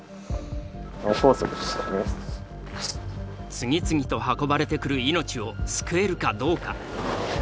次々と運ばれてくる命を救えるかどうか。